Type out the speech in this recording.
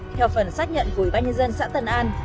theo phần xác nhận của ủy ban nhân dân xã tân an